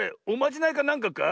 おまじないかなんかか？